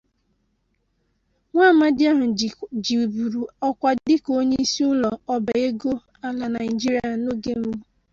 nwa amadi ahụ jibụrụ ọkwa dịka onyeisi ụlọ ọba ego ala Nigeria n'oge mbụ